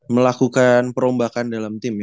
melakukan perombakan dalam tim